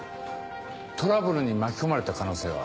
トラブルに巻き込まれた可能性は？